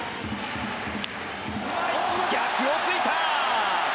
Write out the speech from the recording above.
逆を突いた！